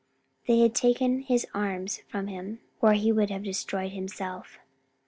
They had taken his arms from him, or he would have destroyed himself.